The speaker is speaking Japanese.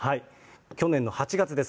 去年の８月です。